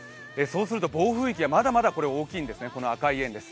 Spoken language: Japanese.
暴風域はまだまだ大きいんですね、赤い円です。